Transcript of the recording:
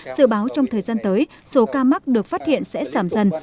dự báo trong thời gian tới số ca mắc được phát hiện sẽ giảm dần